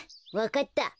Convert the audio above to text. わかった。